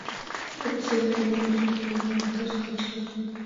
اقتصادي ناخوالې او ستونزې د واک له انحصار څخه سرچینه اخلي.